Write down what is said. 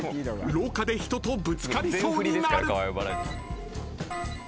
［廊下で人とぶつかりそうになる］